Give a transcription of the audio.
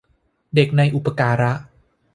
เด็กในอุปการะ